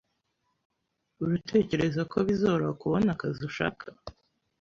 Uratekereza ko bizoroha kubona akazi ushaka?